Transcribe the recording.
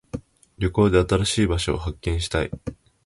旅行で新しい場所を発見したい。